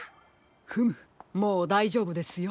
フムもうだいじょうぶですよ。